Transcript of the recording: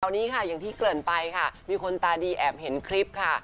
ตอนนี้ที่เกิดไปมีคนตาดีแอบเห็นคลิปค่ะ